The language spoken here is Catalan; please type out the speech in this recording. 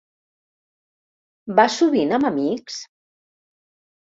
Vas sovint amb amics?